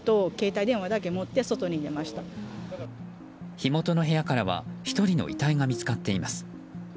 火元の部屋からは１人の遺体が見つかっています。